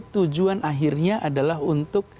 tujuan akhirnya adalah untuk